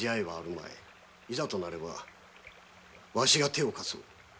いざとなればワシが手を貸そう。